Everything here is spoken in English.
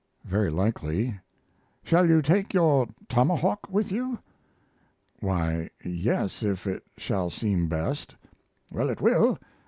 "Very likely." "Shall you take your tomahawk with you?" "Why yes, if it shall seem best." "Well, it will.